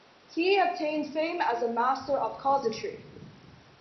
He attained fame as a master of casuistry.